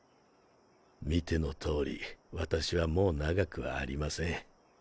見ての通り私はもう長くはありません。